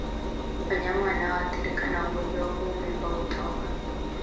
Wanyama wanaoathirika na ugonjwa huu mimba hutoka